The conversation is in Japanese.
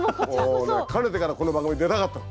もうねかねてからこの番組に出たかったの。